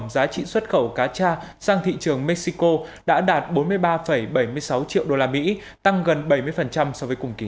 giá trị xuất khẩu cá cha sang thị trường mexico đã đạt bốn mươi ba bảy mươi sáu triệu usd tăng gần bảy mươi so với cùng kỳ